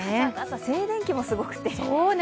静電気もすごくて。